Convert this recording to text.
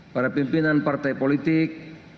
para pimpinan partai politik